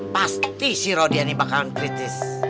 pasti si rodia ini bakalan kritis